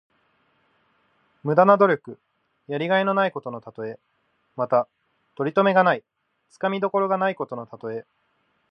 無駄な努力。やりがいのないことのたとえ。また、とりとめがない、つかみどころがないことのたとえ。